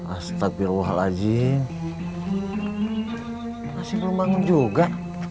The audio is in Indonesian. astagfirullahaladzim masih belum bangun juga